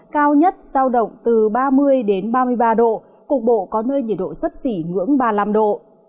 cao nhất sao động từ ba mươi đến ba mươi ba độ cuộc bộ có nơi nhiệt độ sấp xỉ ngưỡng ba mươi năm độ